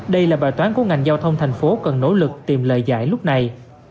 đây là bài toán của ngành giao thông thành phố cần nỗ lực tìm lời giải lúc này